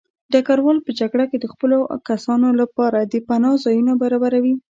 ډګروال په جګړه کې د خپلو کسانو لپاره د پناه ځایونه برابروي.